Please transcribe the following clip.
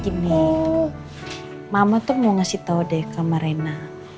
gini mama tuh mau ngasih tau deh ke reina